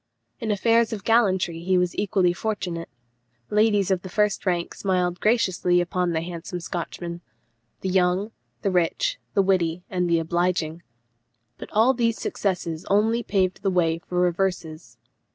In affairs of gallantry he was equally fortunate; ladies of the first rank smiled graciously upon the handsome Scotchman the young, the rich, the witty, and the obliging. But all these successes only paved the way for reverses.